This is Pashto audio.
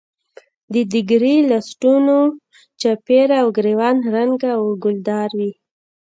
د ډیګرې لستوڼو چاپېره او ګرېوان رنګه او ګلدار وي.